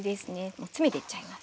もう詰めていっちゃいます。